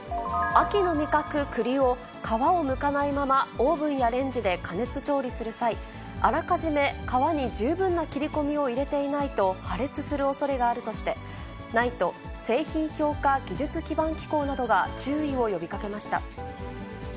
秋の味覚、くりを皮をむかないままオーブンやレンジで加熱調理する際、あらかじめ皮に十分な切り込みを入れていないと、破裂するおそれがあるとして、ＮＩＴＥ・製品評価技術基盤機構などが注意を呼びかけました。